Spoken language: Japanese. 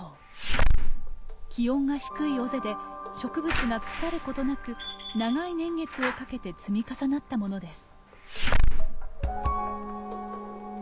気温が低い尾瀬で植物が腐ることなく長い年月をかけて積み重なったものです。